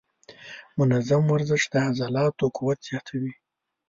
منظم ورزش د عضلاتو قوت زیاتوي.